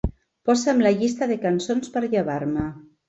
Posa'm la llista de cançons per llevar-me.